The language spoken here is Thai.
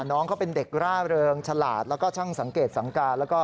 น้องเขาเป็นเด็กร่าเริงฉลาดแล้วก็ช่างสังเกตสังการแล้วก็